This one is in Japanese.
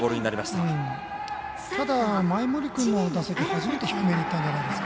ただ、前盛君の打席で初めて低めにいったんじゃないですか。